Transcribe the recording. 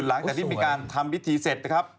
หลังแต่ที่มีการทำพิธีเสร็จ